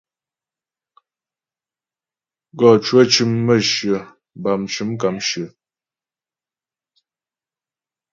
Gɔ cwə cʉm mə̌shyə bâm mcʉm kàmshyə.